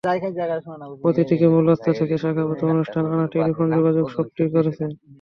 অতিথিকে মূল রাস্তা থেকে শাখা পথে অনুষ্ঠানে আনা, টেলিফোনে যোগাযোগ সবটিই করছেন।